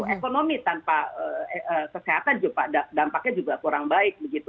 ekonomi tanpa kesehatan dampaknya juga kurang baik begitu